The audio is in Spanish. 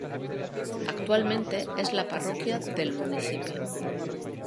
Actualmente es la parroquia del municipio.